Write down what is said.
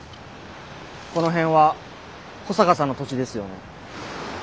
この辺は保坂さんの土地ですよね。